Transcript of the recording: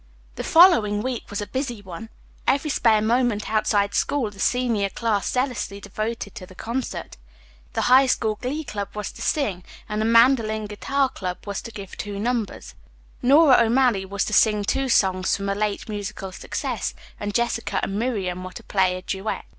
The following week was a busy one. Every spare moment outside school the senior class zealously devoted to the concert. The High School Glee Club was to sing, and the mandolin and guitar club was to give two numbers. Nora O'Malley was to sing two songs from a late musical success, and Jessica and Miriam were to play a duet.